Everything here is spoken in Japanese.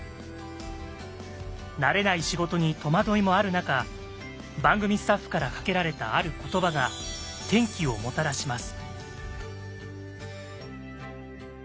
慣れない仕事に戸惑いもある中番組スタッフからかけられたある言葉が転機をもたらします。